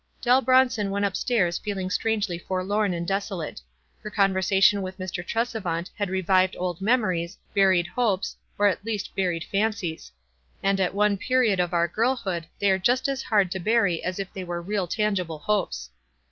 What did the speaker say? Dell Bronson went up stairs feeling strangely forlorn and desolate. Her conversation with Mr. Tresevant had revived old memories, buried hopes, or at least buried fancies ; and at one period of our girlhood they are just as hard to bury as if they were real tangible hopes.